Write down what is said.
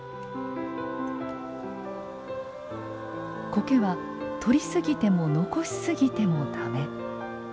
コケは取り過ぎても残し過ぎても駄目。